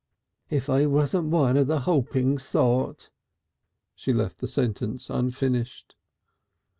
If I wasn't one of the hoping sort " She left the sentence unfinished.